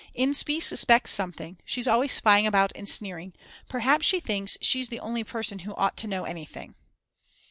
Inspee suspects something, she's always spying about and sneering, perhaps she thinks that she's the only person who ought to know anything.